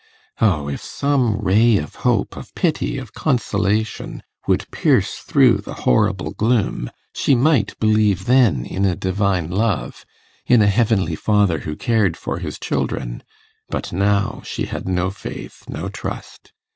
Oh, if some ray of hope, of pity, of consolation, would pierce through the horrible gloom, she might believe then in a Divine love in a heavenly Father who cared for His children! But now she had no faith, no trust.